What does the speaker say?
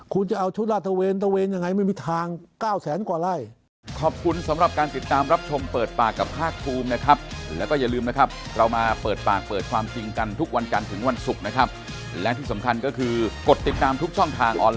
คุณจะเอาชุดราดทะเบียนทะเบียนยังไงไม่มีทาง